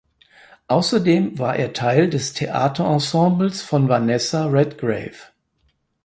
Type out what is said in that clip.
Außerdem war er Teil des Theaterensembles von Vanessa Redgrave.